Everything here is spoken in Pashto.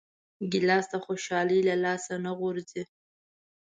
ګیلاس د خوشحالۍ له لاسه نه غورځي.